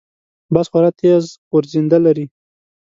باز خورا تېز غورځېدنه لري